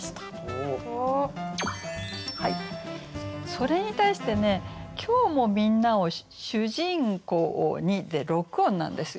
それに対してね「今日もみんなを主人公に」で６音なんですよ。